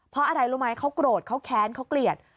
เพราะอะไรรู้ไหมเขาโกรธเขาแค้นเขาเกลียด